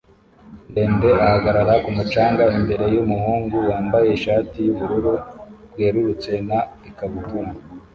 ndende ahagarara ku mucanga imbere yumuhungu wambaye ishati yubururu bwerurutse na ikabutura